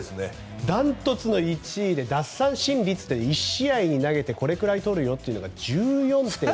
断トツの１位で奪三振の１試合に投げてこれぐらい取るよというのが１４．２３です。